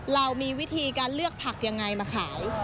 เรามีวิธีการเลือกผักยังไงมาขาย